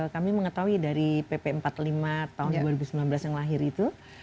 kami mengetahui dari pp empat puluh lima tahun dua ribu sembilan belas yang lahir itu